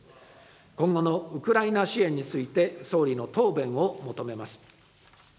今後のウクライナ支援について、総理の答弁を求めます。